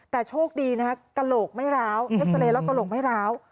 แต่โชคดีนะฮะกระโหลกไม่ร้าวเอ็กซาเรย์แล้วกระโหลกไม่ร้าว